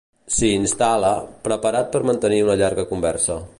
S'hi instal.la, preparat per mantenir una llarga conversa.